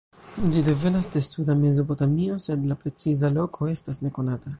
Ĝi devenas de suda Mezopotamio, sed la preciza loko estas nekonata.